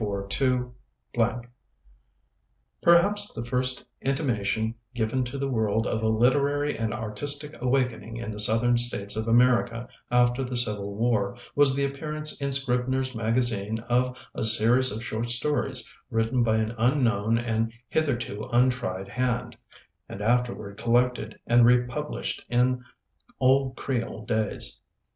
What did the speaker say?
CABLE (1844 ) Perhaps the first intimation given to the world of a literary and artistic awakening in the Southern States of America after the Civil War, was the appearance in Scribner's Magazine of a series of short stories, written by an unknown and hitherto untried hand, and afterward collected and republished in 'Old Creole Days.'